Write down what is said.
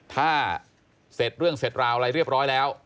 ถ้าเสร็จเรื่องเสร็จราวอะไรเรียบร้อยแล้ว